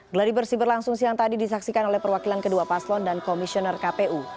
geladi bersih berlangsung siang tadi disaksikan oleh perwakilan kedua paslon dan komisioner kpu